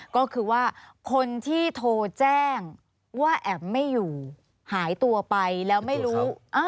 ก็คือว่าคนที่โทรแจ้งว่าแอ๋มไม่อยู่หายตัวไปแล้วไม่รู้